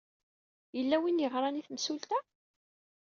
Yella win yeɣran i temsulta?